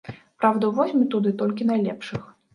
Праўда возьмуць туды толькі найлепшых.